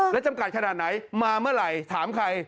และจำกัดขนาดไหนมาเมื่อไหร่ถามใคร